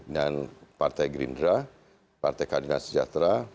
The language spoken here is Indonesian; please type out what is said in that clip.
dan partai gerindra partai kardinal sejahtera